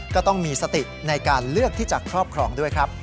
ก็ต้องมีสติในการเลือกที่จะครอบครองด้วยครับ